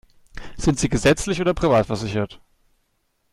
Sind Sie gesetzlich oder privat versichert?